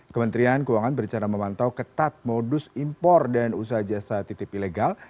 kementerian keuangan berencana memantau ketat modus impor dan usaha jasa titip ilegal